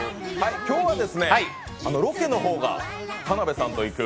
今日はロケの方が田辺さんと行く